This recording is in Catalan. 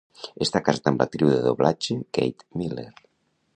Està casat amb l'actriu de doblatge Kate Miller.